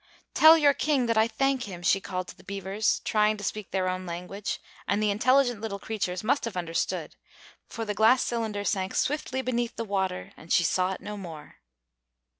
"Tell your King that I thank him!" she called to the beavers, trying to speak their own language; and the intelligent little creatures must have understood, for the glass cylinder sank swiftly beneath the water, and she saw it no more.